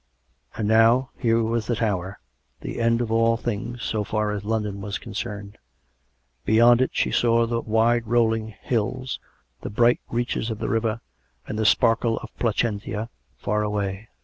And now, here was the Tower — the end of all things, so far as London was concerned. Beyond it she saw the wide rolling hills, the bright reaches of the river, and the sparkle of Placentia, far away.